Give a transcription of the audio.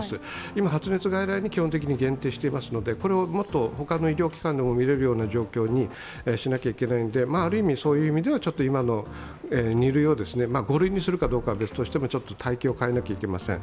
今、発熱外来に基本的に限定していますのでこれをもっと他の医療機関でも診られるような状況にしなきゃいけないんで、そういう意味ではある意味、今の２類を５類にするかどうかは別としても体系を変えないといけません。